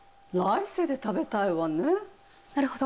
なるほど。